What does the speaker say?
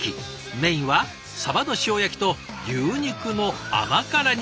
メインはさばの塩焼きと牛肉の甘辛煮。